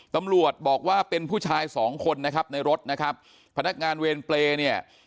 ตำรวจบอกว่าเป็นผู้ชายสองคนนะครับในรถนะครับพนักงานเวรเปรย์เนี่ย